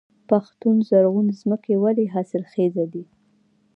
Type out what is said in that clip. پښتون زرغون ځمکې ولې حاصلخیزه دي؟